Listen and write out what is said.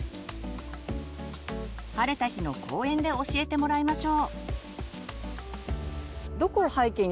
晴れた日の公園で教えてもらいましょう。